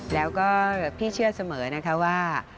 แล้วก็พี่เชื่อเสมอนะคะว่า